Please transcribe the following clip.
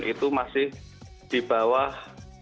itu masih di bawah